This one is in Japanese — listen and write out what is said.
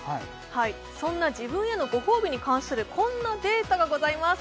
そんな自分へのご褒美に関するこんなデータがございます